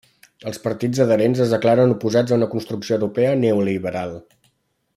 Els partits adherents es declaren oposats a una construcció europea neoliberal.